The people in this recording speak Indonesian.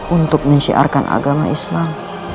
untuk menshiarkan agama islam